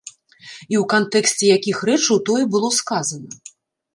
І ў кантэксце якіх рэчаў тое было сказана.